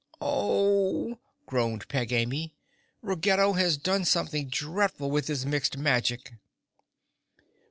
"Oh!" groaned Peg Amy, "Ruggedo has done something dreadful with his Mixed Magic!"